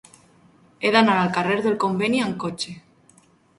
He d'anar al carrer del Conveni amb cotxe.